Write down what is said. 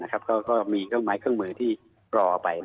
ก็มีเครื่องมือที่รอไป